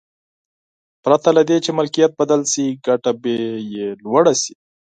پرته له دې چې ملکیت بدل شي ګټه به یې لوړه شي.